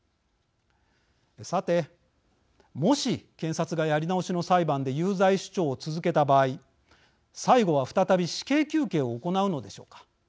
さてもし検察がやり直しの裁判で有罪主張を続けた場合最後は再び死刑求刑を行うのでしょうか。